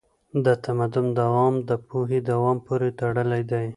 د تمدن دوام د پوهې دوام پورې تړلی دی.